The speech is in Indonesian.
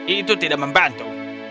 itu tidak membantu